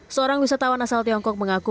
seorang wisatawan asal tiongkok mengaku